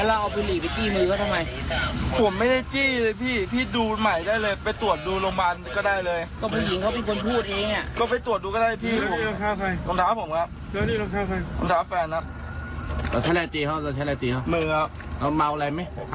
เราเมาแหละไหมถามที่จริงเลยเมาแหละไหม